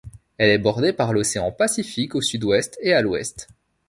Elle est bordée par l'océan Pacifique au sud-ouest et à l'ouest.